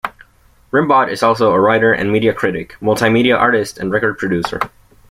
Rimbaud is also a writer and media critic, multi-media artist and record producer.